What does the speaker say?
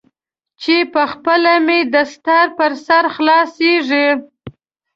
چې پخپله مې دستار پر سر خلاصیږي.